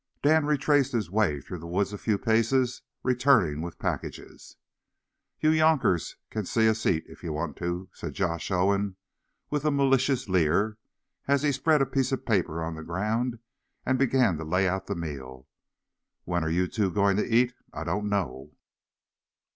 Dan retraced his way through the woods a few paces, returning with packages. "You younkers can see us eat, if you want to," said Josh Owen, with a malicious leer, as he spread a piece of paper on the ground and began to lay out the meal. "When are you two going to eat? I don't know.